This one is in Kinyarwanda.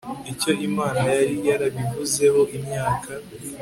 icyo imana yari yarabivuzeho imyaka